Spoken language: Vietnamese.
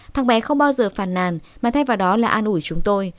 tháng bé không bao giờ phàn nàn mà thay vào đó là an ủi chúng tôi